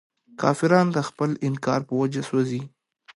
کافران د خپل انکار په وجه سوځي.